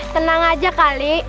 tenang aja kali